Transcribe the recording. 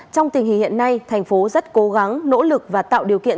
trong tình hình hiện nay thành phố rất cố gắng nỗ lực và tạo điều kiện